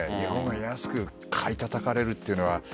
安く買いたたかれるっていうのは。